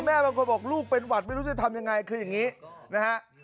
บางคนบอกลูกเป็นหวัดไม่รู้จะทำยังไงคืออย่างนี้นะฮะ